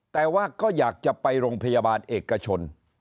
แต่ว่าก็อยากจะไปโรงพยาบาลเอกชน